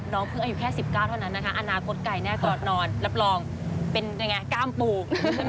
น้องพึงอายุแค่๑๙เท่านั้นนะคะอนาคตไก่แน่ก่อนนอนรับรองเป็นกล้ามปลูกใช่ไหม